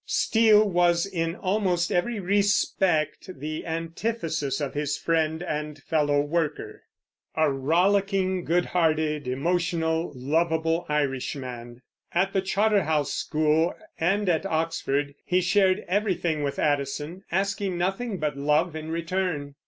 Steele was in almost every respect the antithesis of his friend and fellow worker, a rollicking, good hearted, emotional, lovable Irishman. At the Charterhouse School and at Oxford he shared everything with Addison, asking nothing but love in return.